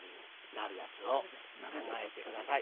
なるやつを考えてください。